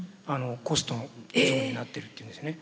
コストになってるって言うんですね。